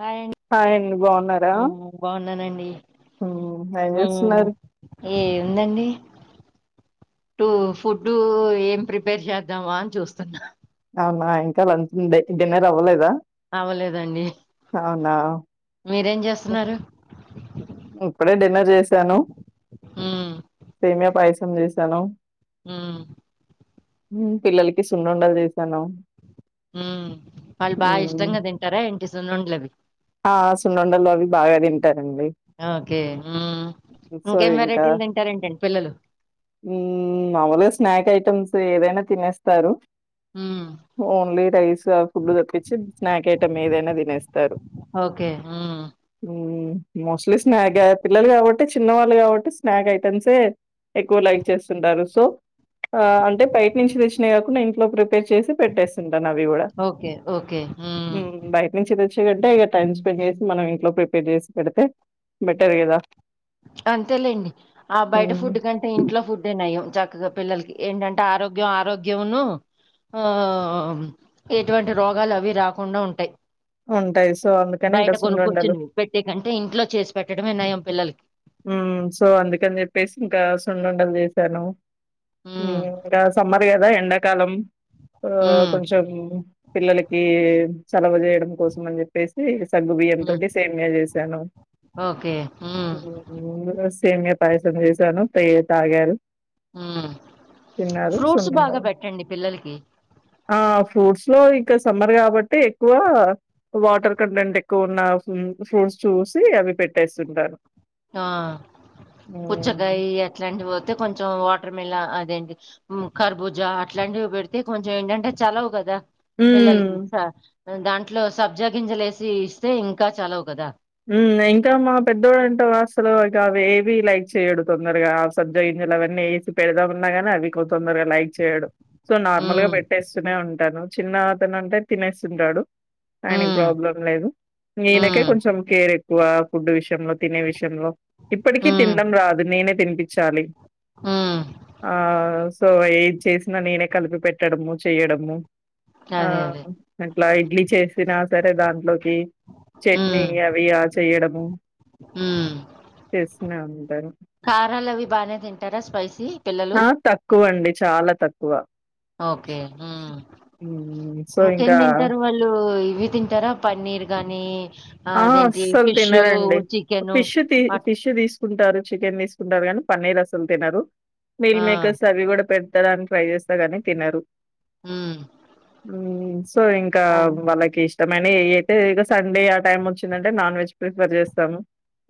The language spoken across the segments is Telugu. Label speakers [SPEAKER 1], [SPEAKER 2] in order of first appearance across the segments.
[SPEAKER 1] హాయ్ అండి
[SPEAKER 2] హాయ్ అండి బాగున్నారా ఉమ్ ఏం
[SPEAKER 1] ఉ
[SPEAKER 2] చేస్తున్నారు
[SPEAKER 1] ఏముందండి టూ ఫుడ్డు ఏం ప్రిపేర్ చేద్దామా అని చూస్తున్నా
[SPEAKER 2] అవునా ఇంకా లంచ్ డిన్నర్ అవ్వలేదా
[SPEAKER 1] అవ్వలేదండి
[SPEAKER 2] అవునా
[SPEAKER 1] మీరేం చేస్తున్నారు
[SPEAKER 2] ఇప్పుడే డిన్నర్ చేసాను
[SPEAKER 1] ఉమ్
[SPEAKER 2] సేమియా పాయసం సం చేయిస్తాన్ను
[SPEAKER 1] ఆ
[SPEAKER 2] పిల్లలకి సున్నుఉండలు చేసాను
[SPEAKER 1] హ వాళ్ళు బా
[SPEAKER 2] ఉమ్
[SPEAKER 1] ఇష్టంగా తింటారా ఎంటి సున్నుండలవి
[SPEAKER 2] ఆ సున్నుండలు అవి బాగా తింటర్
[SPEAKER 1] ఓకే ఇంకేం వెరైటీలు తింటారేంటండి పిల్లలు
[SPEAKER 2] ఉ మామలుగా స్నాక్ ఐటమ్స్ ఏదైనా తినేస్తారు
[SPEAKER 1] ఉ
[SPEAKER 2] ఓన్లీ రైస్ ఆ ఫుడ్లు తప్పించి స్నాక్ ఐటెమ్ ఏదైనా తినేస్తారు
[SPEAKER 1] ఓకే ఉమ్
[SPEAKER 2] హ మోస్ట్లీ స్నాక్ పిల్లలు కాబట్టి చిన్న వాళ్ళు కాబట్టి స్నాక్ ఐటమ్సే ఎక్కువ లైక్ చేస్తుంటారు సో ఆ అంటే బైట్ నుంచి తెచ్చినవి కాకుండా ఇంట్లో ప్రిపేర్ చేసి పెట్టేస్తుంటాను అవి గూడా
[SPEAKER 1] ఓకే ఓకే
[SPEAKER 2] ఉమ్ బైట్ నుంచి తెచ్చే అంటే ఇగ టైమ్ స్పెండ్ చేసి మనం ఇంట్లో ప్రిపేర్ చేసి పెడితే బెటర్ గదా
[SPEAKER 1] అంతేలేండి ఆ బయట
[SPEAKER 2] హ్మ్.
[SPEAKER 1] ఫుడ్ కంటే ఇంట్లో ఫుడ్డే నయం చ క్కగా పిల్లలకి ఏంటంటే ఆరోగ్యం ఆరోగ్యంను ఆ ఆ ఆ ఎటువంటి రోగాలు అవి రాకుండా ఉంటాయి
[SPEAKER 2] ఉంటాయి. సో, అందుకని
[SPEAKER 1] బైట
[SPEAKER 2] ఇంకా సున్నుండలు.
[SPEAKER 1] కొనుకొచ్చినవి పెట్టే కంటే ఇంట్లో చేసి పెట్టడమే నయం పిల్లలకి
[SPEAKER 2] ఉమ్ సో అందుకని చెప్పేసి ఇంకా సున్నుండలు చేసాను ఉమ్ ఇంకా సమ్మర్ గదా ఎండాకాలం ఆ
[SPEAKER 1] ఉమ్
[SPEAKER 2] కొంచెం పిల్లలకి చలవ జేయడం కోసం అని జెప్పేసి సగ్గు బియ్యం
[SPEAKER 1] ఉమ్
[SPEAKER 2] తోటి సేమ్య జేశాను
[SPEAKER 1] ఓకే ఉమ్
[SPEAKER 2] సేమ్య పాయాసం చేసాను పేయ తాగారు
[SPEAKER 1] ఉమ్
[SPEAKER 2] తిన్నారు.
[SPEAKER 1] ఫ్రూట్స్ బాగా
[SPEAKER 2] సున్నుండలు.
[SPEAKER 1] పెట్టండి పిల్లలకి
[SPEAKER 2] ఆ ఫ్రూట్స్ లో ఇంకా సమ్మర్ గాబట్టి ఎక్కువ వాటర్ కంటెంట్ ఎక్కువ ఉన్నా ఫ్రూట్స్ చూసి అవి పెట్టేస్తుంటాను
[SPEAKER 1] ఆ
[SPEAKER 2] హ్మ్.
[SPEAKER 1] పుచ్చకాయి అట్లాంటివి ఐతే కొంచెం వా టర్ మిలా అదేంటి కర్బూజ అట్లాంటివి పెడితే కొంచెం ఏంటంటే చలవ గదా
[SPEAKER 2] హ్మ్.
[SPEAKER 1] పిల్లలకి ఆ దాంట్లో సబ్జా గింజలు యేసి ఇస్తే ఇంకా చలవ గదా
[SPEAKER 2] ఉమ్ ఇంకా మా పెద్దోడు అంటవా అసలు అవి ఏవి లైక్ చేయడు తొందరగా సబ్జ గిం జలు అవేసి పెడదా అన్నా గాని అవి కొ తొందరగా లైక్ చేయడు సో నార్మల్ గా
[SPEAKER 1] ఉమ్
[SPEAKER 2] పెట్టేస్తూనే ఉంటాను చిన్న అతను అంటే తినేస్తుంటాడు ఆయనది
[SPEAKER 1] ఉమ్
[SPEAKER 2] ప్రాబ్లం లేదు ఈయనకే
[SPEAKER 1] ఉమ్
[SPEAKER 2] కొంచెం కేర్ ఎక్కువ ఫుడ్ విషయంలో తినే విషయంలో ఇప్పటికీ
[SPEAKER 1] ఉమ్
[SPEAKER 2] తినడం రాదు నేనే తినిపించాలి
[SPEAKER 1] ఉమ్
[SPEAKER 2] ఆ సో ఏది చేసినా నేనే కలిపి పెట్టడము చెేయడము ఆ
[SPEAKER 1] అదే అదే
[SPEAKER 2] అట్లా ఇడ్లీ చేసినా సరే దాంట్లోకి చట్నీ
[SPEAKER 1] ఉమ్
[SPEAKER 2] అవియా చేయడము
[SPEAKER 1] ఉమ్
[SPEAKER 2] చేస్తూనే ఉంటాను
[SPEAKER 1] కారాలు అవి బాగా తింటారా స్పైసీ పిల్లలు
[SPEAKER 2] ఆ తక్కువ అండి చాలా తక్కువ
[SPEAKER 1] ఓకే ఉమ్
[SPEAKER 2] హ్మ్ సో ఇంకా
[SPEAKER 1] ఇంకెందింటారు వాళ్ళు ఇవి తింటారా పన్నీర్ గానీ
[SPEAKER 2] ఆ
[SPEAKER 1] అదేంటి
[SPEAKER 2] అస్సలు
[SPEAKER 1] ఫిష్
[SPEAKER 2] తినరండి
[SPEAKER 1] చికెను
[SPEAKER 2] ఫిష్ తీ
[SPEAKER 1] అట్
[SPEAKER 2] ఫిష్ తీసుకుంటారు చికెన్ తీసుకుంటారు కానీ పన్నీర్ అసలు తినరు మీల్
[SPEAKER 1] ఆ
[SPEAKER 2] మేకర్స్ అవి కూడా పెట్టడానికి ట్రై జేస్తాగాని తినరు
[SPEAKER 1] ఉమ్
[SPEAKER 2] ఉమ్ సో ఇంకా
[SPEAKER 1] ఆ,
[SPEAKER 2] వాళ్ళకి ఇష్టమైనయ్ ఏయ్ అయితే ఇగ సండే టైం వచ్చిందంటే నాన్ వెజ్ ప్రిఫర్ చేస్తాను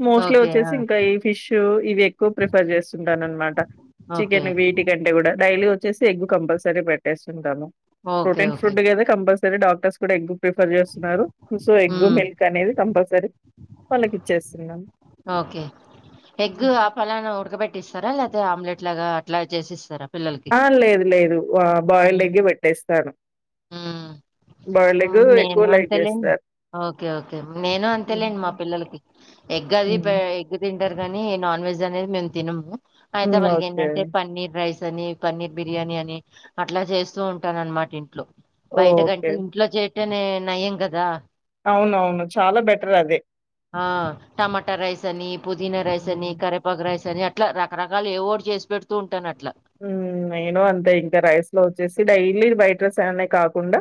[SPEAKER 2] మోస్ట్లీ
[SPEAKER 1] ఓకే.
[SPEAKER 2] వచ్చేసి
[SPEAKER 1] ఆ!
[SPEAKER 2] ఇంకా ఈ ఫిష్ ఇవి ఎక్కువ ప్రిఫర్ చేస్తుంటాన్ అన్నమాట
[SPEAKER 1] ఓకే.
[SPEAKER 2] చికెన్ వీటి కంటే కూడా డైలీ చేస్తే ఎగ్ కంపల్సరీ పెట్టెస్తుంటాను
[SPEAKER 1] ఓకే.
[SPEAKER 2] Protein
[SPEAKER 1] okay.
[SPEAKER 2] ఫుడ్ గదా ఇక్కడ డాక్టర్స్ కూడా ఎగ్ ప్రిఫర్ చేస్తున్నారు సో ఎగ్
[SPEAKER 1] హ్మ్.
[SPEAKER 2] మిల్క్ అనేది కంపల్సరీ వాళ్ళకి ఇచ్చేస్తున్నాను
[SPEAKER 1] ఓకే ఎగ్ ఆ పలాన ఉడకబెట్టిస్త స్తారా లేపోతే ఆమ్లెట్ లాగా అట్లా చేసిస్తారా పిల్లలకి?
[SPEAKER 2] ఆ లేదు లేదు బా బాయిల్డ్
[SPEAKER 1] హ్మ్.
[SPEAKER 2] ఎగ్ ఏ పెట్టేస్తారు బాయిల్డ్
[SPEAKER 1] ఆ నేను అంతేలే ఓకే ఓకే నేను అంతేలేండి మా
[SPEAKER 2] హుహు.
[SPEAKER 1] పిల్లలకి ఎగ్ అవి పే
[SPEAKER 2] హ్మ్.
[SPEAKER 1] ఎగ్ తిన్ కుదరదని నాన్ వెజ్ అనేది మేము తిన్నాం అయితే
[SPEAKER 2] హ్మ్.
[SPEAKER 1] వాళ్ళకి
[SPEAKER 2] ఓకే.
[SPEAKER 1] ఏంటంటే పన్నీర్ రైస్ అని పన్నీర్ బిర్యాని అని అట్లా చేస్తూ ఉంటాననమాట ఇంట్లో బయట కంటే
[SPEAKER 2] ఓకే
[SPEAKER 1] ఇంట్లో చేటనే నయం కదా
[SPEAKER 2] అవునవును చాలా బెటర్ అదే
[SPEAKER 1] ఆ టమాటా రైస్ అని పుదీనా రైస్ అని
[SPEAKER 2] హ్మ్
[SPEAKER 1] కరేపాకు రైస్ ని అట్లా రకరకాలు ఏవోటి చేసి పెడుతూ ఉంటాను అట్లా
[SPEAKER 2] ఉమ్ నేను అంతే ఇంకా రైస్ లో వచ్చేసి డైలీ బయట రైస్ అనే కాకుండా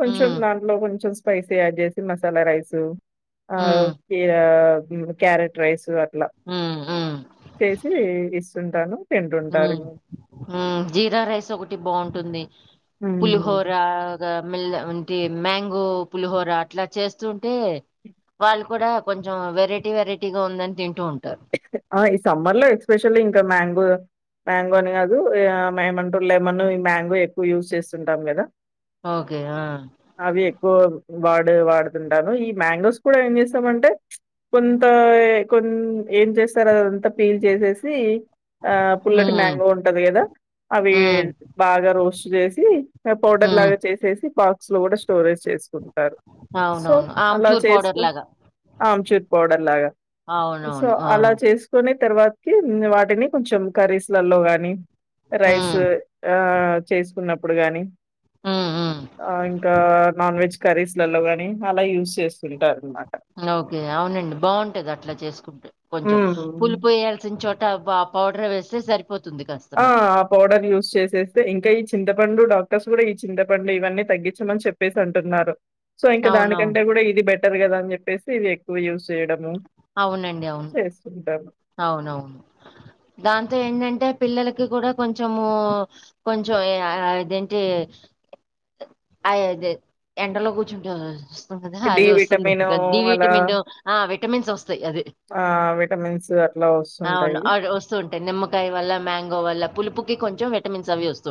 [SPEAKER 2] కొంచెం
[SPEAKER 1] హ్మ్
[SPEAKER 2] దాంట్లో కొంచెం స్పైసీ యాడ్ చేసి మసాలా రైసు ఆ
[SPEAKER 1] హ్మ్
[SPEAKER 2] క్యా క్యారెట్ రైస్ అట్లా
[SPEAKER 1] హ్మ్ హ్మ్
[SPEAKER 2] చేసి ఇస్తుంటాను తింటుంటారు
[SPEAKER 1] ఉమ్ జీరా రైస్ ఒకటి బాగుంటుంది
[SPEAKER 2] హ్మ్
[SPEAKER 1] పులిహోర పుల్ ది మ్యాంగో పులిహోర అట్లా చేస్తు ఉంటే వాళ్ళు కూడా కొంచెం వెరైటీ వెరైటీగా ఉందని తింటూ ఉంటారు.
[SPEAKER 2] ఆ ఈ సమ్మర్ లో ఎక్స్పెషల్లీ ఇంకా మ్యాంగో మ్యాంగో అని కాదు ఏ ఏమంటూ లేమను ఈ మ్యాంగో ఎక్కువ యూజ్ చేస్తుంటాం కదా
[SPEAKER 1] ఓకే ఆ
[SPEAKER 2] అవి ఎక్కువ వాడు వాడుతుంటాను ఈ మ్యాంగోస్ కూడా ఏం చేస్తామంటే కొంత ఏ కొన్ ఏం చేస్తారు అది అంతా పీల్ చేసేసి ఆ పుల్లటి
[SPEAKER 1] హ్మ్.
[SPEAKER 2] మ్యాంగో ఉంటది కదా అవి
[SPEAKER 1] హ్మ్.
[SPEAKER 2] బాగా రోస్ట్ చేసి ఇగ పౌడర్
[SPEAKER 1] హ్మ్.
[SPEAKER 2] లాగా చేసేసి బాక్ క్స్ లో కూడా స్టోరేజ్ చేసుకుంటరు సో
[SPEAKER 1] అవునవును.
[SPEAKER 2] అలా
[SPEAKER 1] ఆమ్చూర్ పౌడర్
[SPEAKER 2] చేసుకుంట్
[SPEAKER 1] లాగా.
[SPEAKER 2] ఆమ్ చొప్ కోడలాగా
[SPEAKER 1] అవునవును ఆ!
[SPEAKER 2] అలా చేసుకోని తర్వాతకి వాటిని కొంచెం కర్రీస్లలో గాని
[SPEAKER 1] హ్మ్.
[SPEAKER 2] రైస్లో ఆ చేసుకున్నప్పుడు గాని
[SPEAKER 1] హ్మ్. హ్మ్.
[SPEAKER 2] ఆ ఇంకా నాన్ వెజ్ కర్రీస్ లలో కాని అలా యూజ్ చేస్తుంటారు అనమాట
[SPEAKER 1] ఓకే అవునండి బాగుంటది అట్లా చేసు కొంచెం
[SPEAKER 2] హ్మ్.
[SPEAKER 1] పులుపు వేయాల్సిన చోట వ పౌడర్ వేస్తే సరి
[SPEAKER 2] ఆ ఆ పౌడర్ యూజ్ చేసేస్తే ఇంకా ఈ చింత పండు డాక్టర్స్ కూడా ఈ చింతపండు ఇవన్నీ తగ్గించమని చెప్పేసి అంటున్నారు సో ఇంకా
[SPEAKER 1] అవునవును.
[SPEAKER 2] దానికంటే కూడా ఇది బెటర్ కదా అని చెప్పేసి ఇది ఎక్కువ యూజ్ చేయడము
[SPEAKER 1] అవునండి. అవును.
[SPEAKER 2] చేస్తుంటారు
[SPEAKER 1] అవునవును దాంతో ఏంటంటే పిల్లలకి కూడా కొంచెము కొంచెం ఆ అ ఇదేంటి అయి అదే ఎండలో కూర్చుంటె వస్
[SPEAKER 2] డి
[SPEAKER 1] అది
[SPEAKER 2] విటమిను
[SPEAKER 1] వస్తుందిగా డి విటమిన్ ఆ వక్
[SPEAKER 2] ఆ విటమిన్
[SPEAKER 1] అవును అవును వస్తూంటాయి నిమ్మకాయ వల్ల మ్యాంగో వల్ల పులుపు కొంచెం విటమిన్స్ అవి వస్తు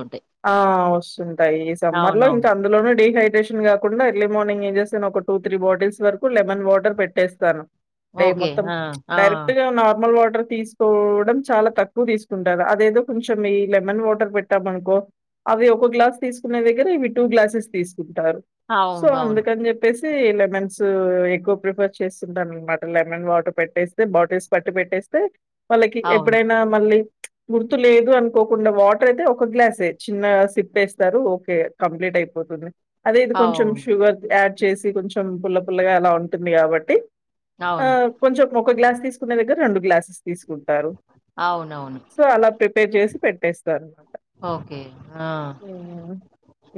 [SPEAKER 2] ఆ వస్తుంటాయి ఈ సమ్మర్ లో ఇంకా
[SPEAKER 1] అవునవును.
[SPEAKER 2] అందులోనూ డిహైడ్రేషన్ కాకుండా ఎర్లీ మార్నింగ్ ఏం చేస్తను ఒక టూ త్రీ బాటిల్స్ వరకు లెమన్ వాటర్ పెట్టేస్తాను డ
[SPEAKER 1] ఓకే.
[SPEAKER 2] మొత్తం
[SPEAKER 1] ఆ! ఆ!
[SPEAKER 2] డైరెక్ట్ గా నార్మల్ వాట్ ర్ తీసుకోవడం చాలా తక్కువ తీసుకుంటారు అదేదో కొంచెం ఈ లెమన్ వాటర్ పెట్టామ అనుకో అవి ఒక గ్లాస్ తీసుకునే దగ్గర ఇవి టూ గ్లాసెస్ తీసుకుంటారు సో
[SPEAKER 1] అవునవును.
[SPEAKER 2] అందుకని చెప్పేసి తీ లెమన్స్ ఎక్కువ ప్రిఫర్ చేస్తుంటాననమాట లెమన్ వాటర్ పెట్టేస్తే బాటిల్స్ పట్టి పెట్టే స్తె వాళ్ళకి
[SPEAKER 1] అవును.
[SPEAKER 2] ఎప్పుడైనా మళ్ళీ ప్చ్ గుర్తు లేదు అనుకోకుండా వాటర్ అయితే ఒక గ్లాస్ ఏ చిన్న సిప్ వేస్తారు ఓకే కంప్లీట్ అయిపోతుంది అదే ఇది కొంచెం
[SPEAKER 1] అవును.
[SPEAKER 2] షుగర్ యాడ్ చేసి కొంచం పుల పుల అలా ఉంటుంది కాబట్టి ఆ
[SPEAKER 1] అవును.
[SPEAKER 2] కొంచెం ఒక గ్లాస్ తీసుకునే దగ్గర రెండు గ్లాసెస్ తీసుకుంటారు
[SPEAKER 1] అవునవును.
[SPEAKER 2] సో అలా ప్రిపేర్ చేసి పెట్టేస్తారు
[SPEAKER 1] ఓకే ఆ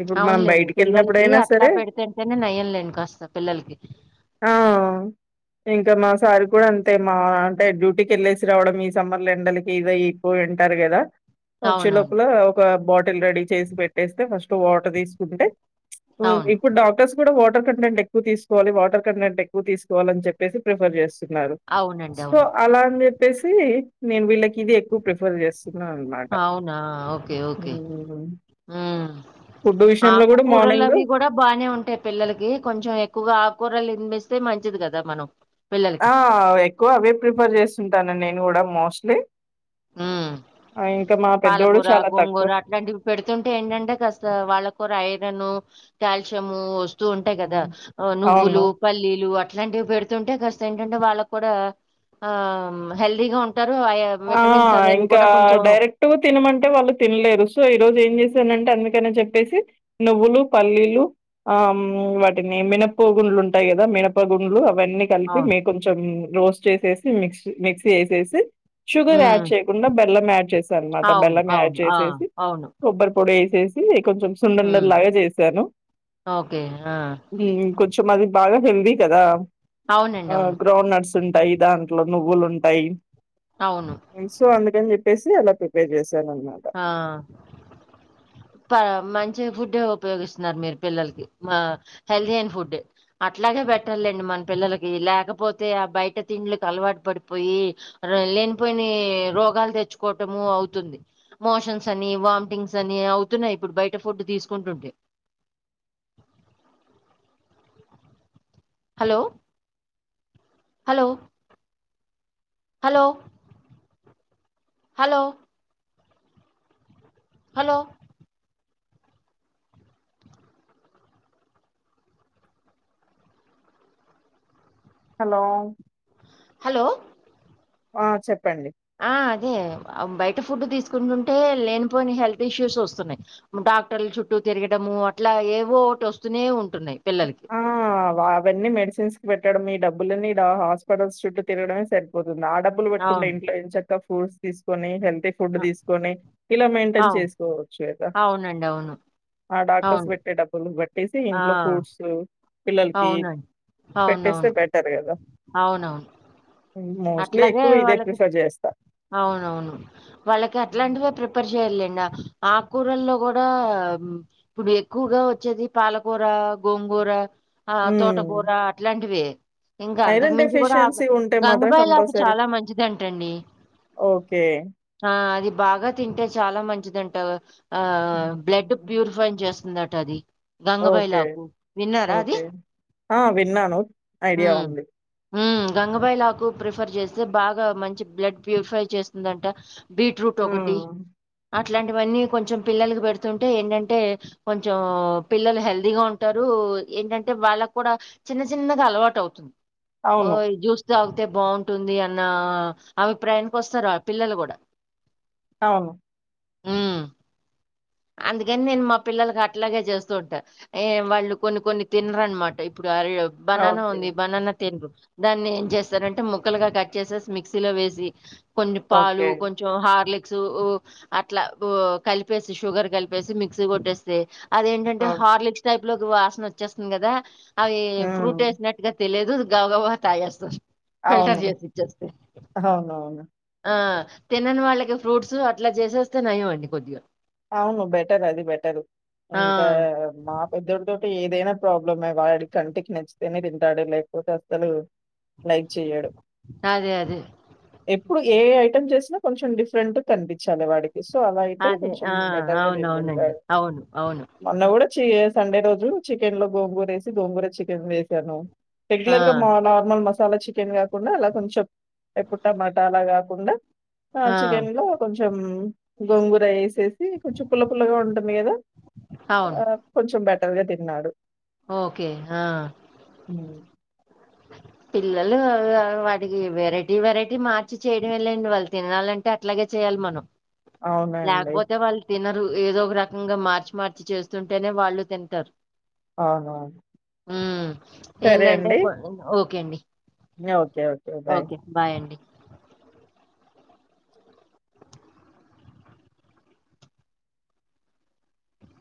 [SPEAKER 2] ఇప్పుడు మనం
[SPEAKER 1] అవునులేండి పిల్లలకి
[SPEAKER 2] బయటికెళ్ళినప్పుడైనా
[SPEAKER 1] అట్లా
[SPEAKER 2] సరే
[SPEAKER 1] పెడితేంటేనే నయంన్లేండి కాస్త పిల్లలకి
[SPEAKER 2] ఆ ఇంకా మా సారు కూడా అంతే తే మా అంటే డ్యూటీకి వెళ్ళేసి రావడం ఈ సమ్మర్లు ఎండలకి ఇగ ఎక్కువ తింటారు కదా వచ్చి
[SPEAKER 1] అవునవును.
[SPEAKER 2] లోపల ఒక బాటిల్ రెడీ చేసి పెట్టేస్తే ఫస్ట్ వాటర్ తీసుకుంటే ఊ
[SPEAKER 1] అవును.
[SPEAKER 2] ఇప్పుడు డాక్టర్స్ కూడా వాట్ వాటర్ కంటెంట్ తీసుకోవాలి వాటర్ కంటెంట్ ఎక్కువ తీసుకోవాలని చెప్పేసి ప్రిఫర్ చేస్తారు
[SPEAKER 1] అవునండి.
[SPEAKER 2] సో
[SPEAKER 1] అవును.
[SPEAKER 2] అలా అని చెప్పేసి నేను వీళ్ళకి ఇది ఎక్కువ ప్రిఫర్ చేస్తున్నా అన్నమాట
[SPEAKER 1] అవునా! ఓకే.
[SPEAKER 2] ఊ
[SPEAKER 1] ఓకే.
[SPEAKER 2] ఆ
[SPEAKER 1] ఆకుకూరలు అవి కూడా బాగానే ఉంటాయి పిల్లలకి కొంచెం ఎక్ ఎక్కువగా ఆకూరలు తినిపిస్తే మంచిది కదా మనం
[SPEAKER 2] ఆ
[SPEAKER 1] పిల్లలకి.
[SPEAKER 2] ఎక్కువ అవే ప్రిఫర్ చేస్తుంటాను నేను కూడా మోస్ట్లీ
[SPEAKER 1] హ్మ్.
[SPEAKER 2] బ
[SPEAKER 1] పాలకూర గోంగూర అట్లాంటివి పెడుతుంటే ఏంటంటే కాస్త వాళ్ళ కూర ఐ యే ను కాలిశిము వాస్తూ ఉంటాయి కదా
[SPEAKER 2] హ్మ్.
[SPEAKER 1] నువులు
[SPEAKER 2] అవును.
[SPEAKER 1] పల్ అట్లాంటివి పెడుతుంటే కాస్త ఏంటంటే వాళ్ళకి కూడా ఆ హెల్దీగా ఉంటారు హాయే
[SPEAKER 2] ఆ ఇంకా డైరెక్ట్ తినమంటే వాళ్ళు తినలేరు సో ఈరోజు ఏం చేసి ఏందంటే అందుకని చెప్పేసి నువ్వులు పల్లీలు ఆ వాటిని మినపోగుల్ ఉంటాయి కదా మినప గుండ్లు అవి ఇవన్నీ కలిపి
[SPEAKER 1] అవును.
[SPEAKER 2] మీ కొంచెం రోస్ట్ చేసేసి మిక్స్ మిక్సీ చేసేసి షుగర్ యాడ్
[SPEAKER 1] హ్మ్.
[SPEAKER 2] చేయకుండా బెల్లం యాడ్ చేస అనమాట
[SPEAKER 1] అవును.
[SPEAKER 2] బెల్లం యాడ్
[SPEAKER 1] అవును. ఆ!
[SPEAKER 2] చేసేసి
[SPEAKER 1] అవును.
[SPEAKER 2] కొబ్బరి పొడి వే చేసి కొంచెం సుంనుండ
[SPEAKER 1] హ్మ్.
[SPEAKER 2] లాగా చేసాను
[SPEAKER 1] ఓకే. ఆ!
[SPEAKER 2] కొంచెం అది బాగా హెల్దీ కదా
[SPEAKER 1] అవునండి.
[SPEAKER 2] ఆ
[SPEAKER 1] అవును.
[SPEAKER 2] గ్రౌండ్ నట్స్ ఉంటాయి దాంట్లో నువ్వులు ఉంటాయి
[SPEAKER 1] అవును.
[SPEAKER 2] సో అందుకని చెప్పేసి అలా ప్రిపేర్ చేసి
[SPEAKER 1] ఆ ప మంచి చే ఫుడ్ ఏ ఉపయోగిస్తున్నారు మీరు పిల్లకి మా హెల్దీ అండ్ ఫుడ్ అట్లాగే బెటలెండి మన పిల్లలకి లేకపోతే ఆ బయట తిండ్లకి అలవాటు పడిపోయి లేనిపోని రోగాలు తెచ్చుకోవటము అవుతుంది మోషన్స్ అని వామిటింగ్స్ అని అవుతున్నాయి ఇప్పుడు బయట ఫుడ్ తీసుకుంటుంటే
[SPEAKER 2] అ
[SPEAKER 1] hello hello hello hello hello
[SPEAKER 2] hello
[SPEAKER 1] hello
[SPEAKER 2] ఆ చెప్
[SPEAKER 1] ఆ అదే అం బెక్ ఫుడ్ తీసుకుంటుంటే లేనిపోనీ హెల్త్ ఇష్యూస్ వస్తున్నాయి డాక్టర్లు చుట్టూ తిరగడ అట్లా ఏవో ఒకటి వస్తూనే ఉం
[SPEAKER 2] ఆ అవన్నీ మెడస్ చేసి పెట్టడం ఈ డబ్బులని ఇగ హాస్పిటల్స్ చుట్టూ తిరడమే సరిపోతుంది నా డబ్బులు పెట్కుంట
[SPEAKER 1] అవును
[SPEAKER 2] ఇంట్ల ఏం చక్క ఫూడ్స్ తీసుకొని హెల్త్ ఫుడ్ తీసుకొని ఇలా మెయింటైన్
[SPEAKER 1] అవు
[SPEAKER 2] చేసుకోవచ్చు కదా
[SPEAKER 1] అవునండి అవును
[SPEAKER 2] ఆ డాక్టర్స్
[SPEAKER 1] అవును
[SPEAKER 2] పెట్టే డబ్బులు పెట్టేసి
[SPEAKER 1] ఆ
[SPEAKER 2] ఇంట్లో ఫ్రూట్స్ పిల్లలకి
[SPEAKER 1] అవునండి
[SPEAKER 2] పెట్టేస్తే
[SPEAKER 1] అవునవును
[SPEAKER 2] బెటర్ కదా
[SPEAKER 1] అవునవును
[SPEAKER 2] మోస్ట్లీ
[SPEAKER 1] అట్లాగే
[SPEAKER 2] ఎక్కువ ఇదే
[SPEAKER 1] వాళ్ళకి
[SPEAKER 2] ప్రిఫర్ చేస్తా
[SPEAKER 1] అవునవును వాళ్ళకి అట్లాంటివే ప్రిపేర్ చే వెళ్ళం ఆ కూరల్లో కూడా ఇప్పుడు ఎక్కువగా వచ్చేది పాలకూర గోంగూర ఆ తోటకూర అట్లాంటివి
[SPEAKER 2] ఐరన్ డెఫిషియన్సీ ఉంటే మాత్రం
[SPEAKER 1] గంగబాయిలాకు
[SPEAKER 2] కంపల్సరీ
[SPEAKER 1] చాలా మంచిదంటండి
[SPEAKER 2] ఓకే
[SPEAKER 1] ఆ అది బాగా తింటే చాలా మంచిదంట ఆ బ్లడ్ ప్యూరిఫై చేస్తుందం ఉంటది
[SPEAKER 2] ఓకే
[SPEAKER 1] గంగబాయిలాకు విన్నారా అది
[SPEAKER 2] ఓకే ఆ విన్నాను ఐడియా
[SPEAKER 1] ఉమ్
[SPEAKER 2] ఉంది
[SPEAKER 1] హ్మ్. గంగబాయిలాకు ప్రిఫర్ చేస్తే బాగా మంచి బ్లడ్ ప్యూరిఫై చేస్తుందంట బీట్రూట్
[SPEAKER 2] హ్మ్.
[SPEAKER 1] ఒకటి ఇట్లాంటివన్నీ కొంచెం పిల్లలకి పెడుతుంటే ఏంటంటే కొంచం పిల్లలు హెల్దీగా ఉంటారు ఏంటంటే వాళ్ళకు కూడా చిన్న చిన్నగా అలవాటు అవుతుంద్ ఓ
[SPEAKER 2] అవును.
[SPEAKER 1] ఇ చూస్ తాగితే బాగుంటుంది అన్న అవి ప్రయాణ్ వస్తారు ఆ పిల్లలు కూడా
[SPEAKER 2] అవును
[SPEAKER 1] అందుకని నేను మా పిల్లలకి అట్లాగే చేస్తూ ఉంటా ఏ వాళ్ళు కొన్ని కొన్ని తినరనమాట ఇప్పుడు ఆళ్ళు బననా
[SPEAKER 2] ఓకే.
[SPEAKER 1] ఉంది బననా తిన్రు దాన్ని ఏం చేస్తారంటే ముక్కలుగా కట్ చేసేసి మిక్సీలో వేసి కొన్ని పాలు
[SPEAKER 2] ఓకే.
[SPEAKER 1] కొంచెం హార్లిక్స్ ఉ అట్లా ఉ కలిపేస్ షుగర్ కలిపేసి మిక్సీ కొట్టేస్తే అదేంటంటే
[SPEAKER 2] ఓహ్!
[SPEAKER 1] హార్లిక్స్ టైప్ లో వాసన వచ్చేస్తుంది కదా అవి ఫ్రూట్
[SPEAKER 2] హ్మ్.
[SPEAKER 1] వేసినట్టుగా తెలిదు గవ గవగా తాగేస్తది ఫిల్టర్
[SPEAKER 2] అవును.
[SPEAKER 1] చేస్ ఇచ్చేస్తా
[SPEAKER 2] అవునవును. అవును.
[SPEAKER 1] ఆ తినని వాళ్ళకి ఫ్రూట్స్ అట్లా చేసేస్తే నయం అండి కొద్దిగా
[SPEAKER 2] అవును బెటర్ అది బెటర్
[SPEAKER 1] ఆ
[SPEAKER 2] ఇంకా మా పెద్దడుతో అంటే ఏదైనా ప్రాబ్లమే వాడికి కంటికి నచ్చితేనే తింటాడు లేకపోతే అసలు లైక్ చెయడు
[SPEAKER 1] అదే అదే
[SPEAKER 2] ఎప్పుడు ఏ ఐటెమ్ చేసినా కొంచెం డిఫ్రెంట్ గా కనిపించాలి వాడికి సో అలా అయితే
[SPEAKER 1] అదే ఆ
[SPEAKER 2] బెటర్గా
[SPEAKER 1] అవునవునండి
[SPEAKER 2] తింటారు
[SPEAKER 1] అవును అవును
[SPEAKER 2] వాడు మొన్న కూడా చ సండే రోజు చికెన్ లో గోంగూర వేసి గోంగూర చికెన్ వేసాను
[SPEAKER 1] ఆ
[SPEAKER 2] రెగ్యులర్గా మ నార్మల్ మ మసాలా చికెన్ కాకుండా అలా కొంచెం ఎప్పుడు టమాటా అలా కాకుండా ఆ చికెన్ లో కొంచెం గొంగూర రైస్ చేసి కొంచెం పుల్ల పుల్లగా ఉంటుంది కదా
[SPEAKER 1] అవును
[SPEAKER 2] ఆ కొంచెం బెటర్గా తిన్నాడు
[SPEAKER 1] ఓకే ఆ
[SPEAKER 2] హ్మ్.
[SPEAKER 1] పిల్లలు వాటికి వెరైటీ వెరైటీ మార్చి చేయడం వెళ్ళండి వాళ్ళు తినాలంటే అట్లాగే చేయాలి మనం
[SPEAKER 2] అవునండి.
[SPEAKER 1] లేకపోతే వాళ్ళు తినరు ఏదో ఒక రకంగా మార్చి మార్చి చేస్తుంటేనే వాళ్ళు తింటారు
[SPEAKER 2] ఆహ
[SPEAKER 1] ఏంటంటే ఓకే అండి
[SPEAKER 2] ఓకే ఓకే బాయ్